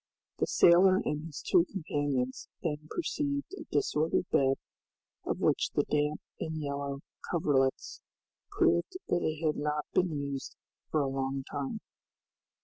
The sailor and his two companions then perceived a disordered bed, of which the damp and yellow coverlets proved that it had not been used for a long time.